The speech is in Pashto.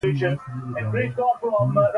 بې مالګې خوراک ډېرو خلکو ته نه خوښېږي.